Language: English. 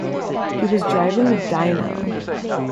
He was driving a Dino.